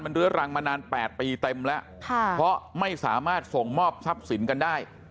เรื้อรังมานาน๘ปีเต็มแล้วค่ะเพราะไม่สามารถส่งมอบทรัพย์สินกันได้